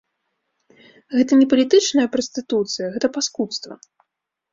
Гэта не палітычная прастытуцыя, гэта паскудства.